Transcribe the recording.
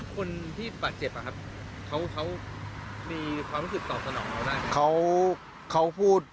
คนที่บาดเจ็บอะครับเขามีความรู้สึกตอบสนองเราได้ครับ